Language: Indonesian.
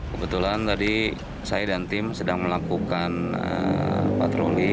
kebetulan tadi saya dan tim sedang melakukan patroli